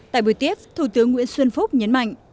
tại buổi tiếp thủ tướng nguyễn xuân phúc nhấn mạnh